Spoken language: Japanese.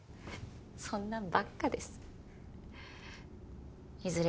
そんなんばっかですいずれ